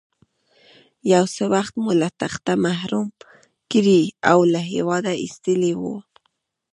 یو څه وخت مو له تخته محروم کړی او له هېواده ایستلی وو.